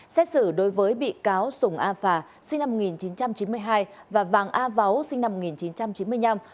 xét xử đối với bị cáo sùng a phà sinh năm một nghìn chín trăm chín mươi hai và vàng a vấu sinh năm một nghìn chín trăm chín mươi năm